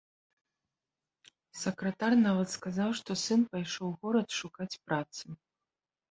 Сакратар нават сказаў, што сын пайшоў у горад шукаць працы.